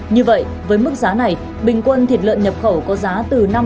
như vậy với mức giá này bình quân thịt lợn nhập khẩu có giá từ